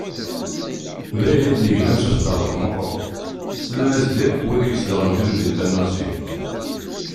D ayen i d-yeglan s usṭerḍeq meqqren, slan-as-d yakk wid i izedɣen tamdint-a n Arezyu.